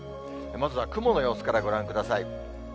まずは雲の様子からご覧ください。